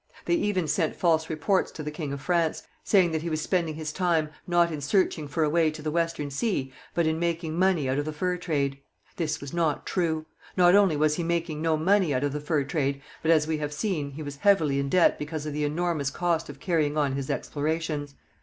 They even sent false reports to the king of France, saying that he was spending his time, not in searching for a way to the Western Sea, but in making money out of the fur trade. This was not true. Not only was he making no money out of the fur trade, but, as we have seen, he was heavily in debt because of the enormous cost of carrying on his explorations.